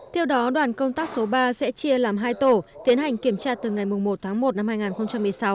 theo đó đoàn công tác số ba sẽ chia làm hai tổ tiến hành kiểm tra từ ngày một tháng một năm hai nghìn một mươi sáu